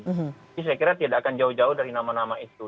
jadi saya kira tidak akan jauh jauh dari nama nama itu